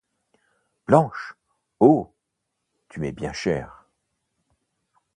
Blanche! oh ! tu m’es bien chère !